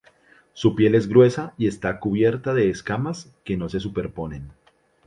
Su piel es gruesa y está cubierta de escamas que no se superponen.